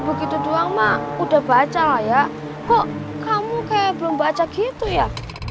begitu doang mak udah baca lah ya kok kamu kayak belum baca gitu ya